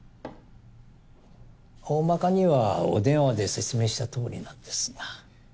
大まかにはお電話で説明した通りなんですが。